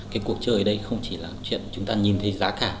cái cuộc chơi ở đây không chỉ là chuyện chúng ta nhìn thấy giá cả